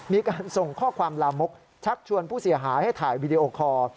มีการส่งข้อความลามกชักชวนผู้เสียหายให้ถ่ายวีดีโอคอร์